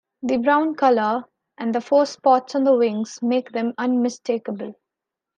The brown colour and the four spots on the wings make them unmistakable.